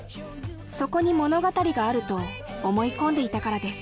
そこに物語があると思い込んでいたからです